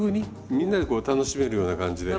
みんなでこう楽しめるような感じで。